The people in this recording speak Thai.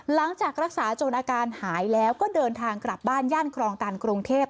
หลังจากรักษาจนอาการหายแล้วก็เดินทางกลับบ้านย่านครองตันกรุงเทพ